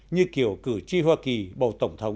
như kiểu cử tri hoa kỳ bầu tổng thống